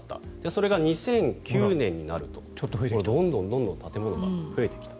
それが２００９年になるとどんどん建物が増えてきた。